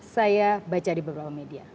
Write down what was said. saya baca di beberapa media